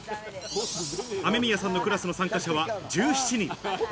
雨宮さんのクラスの参加者は１７人。